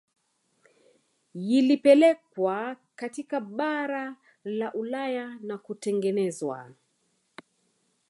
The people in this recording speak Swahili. Yilipelekwa katika bara la Ulaya na kutengenezwa